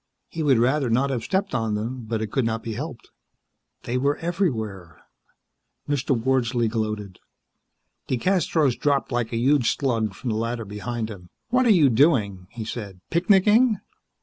He would rather not have stepped on them, but it could not be helped. They were everywhere. Mr. Wordsley gloated. DeCastros dropped like a huge slug from the ladder behind him. "What are you doing?" he said. "Picnicking?"